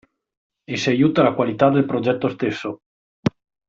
E si aiuta la qualità del progetto stesso.